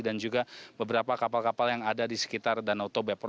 dan juga beberapa kapal kapal yang ada di sekitar danau tobek